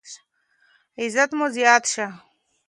عزت مو زیات شه.